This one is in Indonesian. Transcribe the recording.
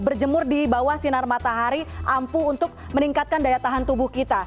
berjemur di bawah sinar matahari ampuh untuk meningkatkan daya tahan tubuh kita